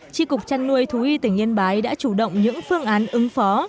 tri cục trăn nuôi thú y tỉnh yên bái đã chủ động những phương án ứng phó